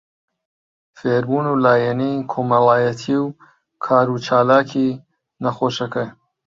فێربوون و لایەنی کۆمەڵایەتی و کاروچالاکی نەخۆشەکە